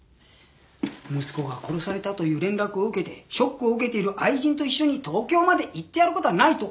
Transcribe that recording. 息子が殺されたという連絡を受けてショックを受けている愛人と一緒に東京まで行ってやる事はないと思うよ。